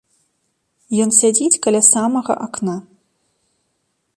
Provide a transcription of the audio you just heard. Ён сядзіць каля самага акна.